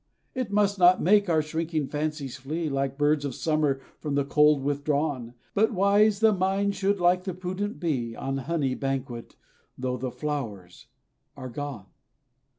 It must not make our shrinking fancies flee, Like birds of summer from the cold withdrawn; But wise, the mind should, like the prudent bee, On honey banquet, though the flowers are gone.